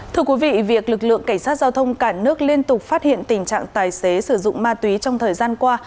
thưa quý vị việc lực lượng cảnh sát giao thông cả nước liên tục phát hiện tình trạng tài xế sử dụng ma túy trong thời gian qua